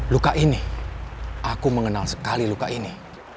luka ini aku mengenal sekali luka ini